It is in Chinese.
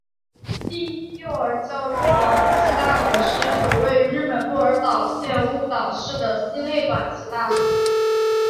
第一幼儿教育短期大学是一所位于日本鹿儿岛县雾岛市的私立短期大学。